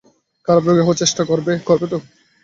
খারাপ রোগী হওয়ার চেষ্টা করবে, করবে তো?